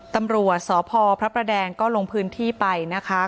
ตำรวจสพพระประแดงก็ลงพื้นที่ไปนะคะ